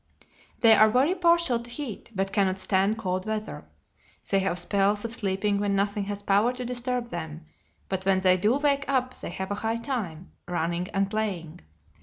They are very partial to heat, but cannot stand cold weather. They have spells of sleeping when nothing has power to disturb them, but when they do wake up they have a "high time," running and playing.